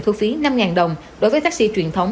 thu phí năm đồng đối với taxi truyền thống